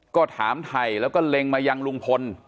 ก็ถามถ่ายแล้วก็เล็งมายังลุงพล